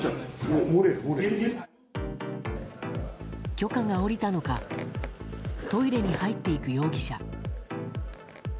許可が下りたのかトイレに入っていく容疑者。